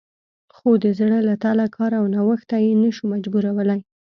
خو د زړه له تله کار او نوښت ته یې نه شو مجبورولی